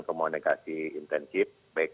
komunikasi intensif baik